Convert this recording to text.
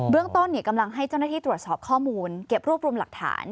เรื่องต้นกำลังให้เจ้าหน้าที่ตรวจสอบข้อมูลเก็บรวบรวมหลักฐาน